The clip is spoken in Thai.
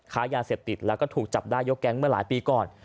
ค้ายาเสพติดแล้วก็ถูกจับได้ยกแก๊งเมื่อหลายปีก่อน